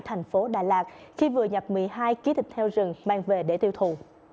thành phố đà lạt khi vừa nhập một mươi hai kg thịt heo rừng mang về để tiêu thụ